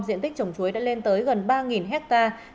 diện tích trồng chuối đã lên tới gần ba hectare